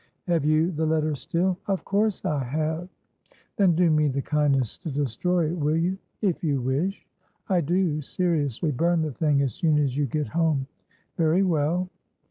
"Have you the letter still?" "Of course I have." "Then do me the kindness to destroy itwill you?" "If you wish." "I do, seriously. Burn the thing, as soon as you get home." "Very well."